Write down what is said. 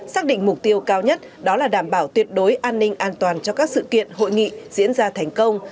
xác định mục tiêu cao nhất đó là đảm bảo tuyệt đối an ninh an toàn cho các sự kiện hội nghị diễn ra thành công